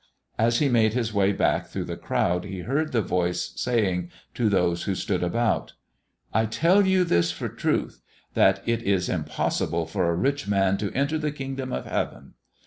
As he made his way back through the crowd he heard the Voice saying to those who stood about: "I tell you this for truth, that it is impossible for a rich man to enter the kingdom of heaven.